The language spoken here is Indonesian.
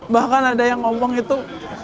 bahkan ada yang ngomong itu